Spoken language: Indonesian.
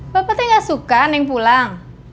bapak teh gak suka neng pulang